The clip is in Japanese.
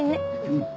うん。